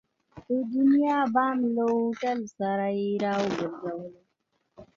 د دنیا بام له هوټل سره یې را وګرځولو.